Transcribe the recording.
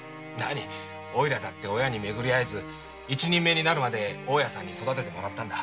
おいらだって親に巡り会えず一人前になるまで大家さんに育ててもらったんだ。